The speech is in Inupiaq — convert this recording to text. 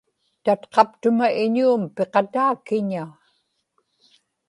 tatqaptuma iñuum piqataa kiña?